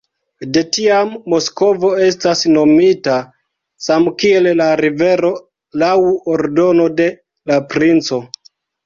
De tiam Moskvo estas nomita samkiel la rivero laŭ ordono de la princo.